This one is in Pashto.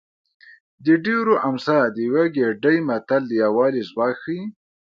د ډېرو امسا د یوه ګېډۍ متل د یووالي ځواک ښيي